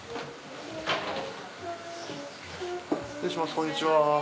こんにちは。